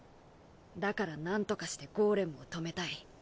だからなんとかしてゴーレムを止めたい。